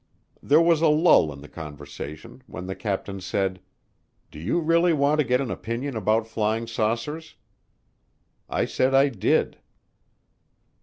There was a lull in the conversation, then the captain said, "Do you really want to get an opinion about flying saucers?" I said I did.